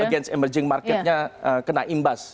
against emerging marketnya kena imbas